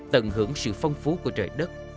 tận hưởng sự phong phú của trời đất